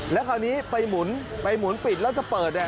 แล้วคราวนี้ไปหมุนไปหมุนปิดแล้วจะเปิด